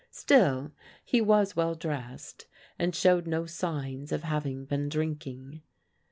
Still he was wdl dressed and showed no signs of having been drinkug.